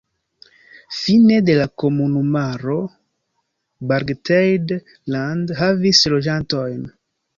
Fine de la komunumaro Bargteheide-Land havis loĝantojn.